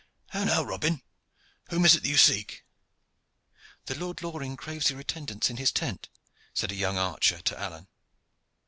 But how now, Robin? Whom is it that you seek?" "The Lord Loring craves your attendance in his tent," said a young archer to Alleyne.